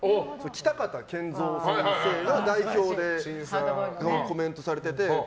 北方謙三先生が代表でコメントされてて。